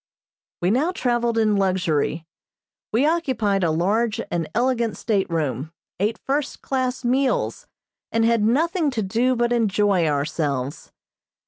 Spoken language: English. We now traveled in luxury. We occupied a large and elegant stateroom, ate first class meals, and had nothing to do but enjoy ourselves.